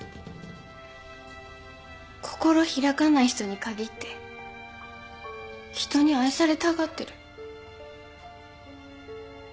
心開かない人に限って人に愛されたがってる。